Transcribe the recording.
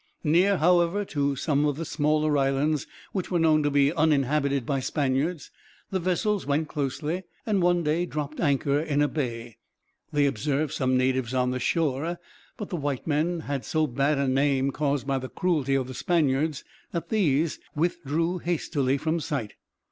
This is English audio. Near, however, to some of the smaller islands, which were known to be uninhabited by Spaniards, the vessels went closely, and one day dropped anchor in a bay. They observed some natives on the shore, but the white men had so bad a name, caused by the cruelty of the Spaniards, that these withdrew hastily from sight.